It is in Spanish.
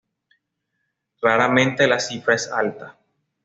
Raramente la cifra es alta.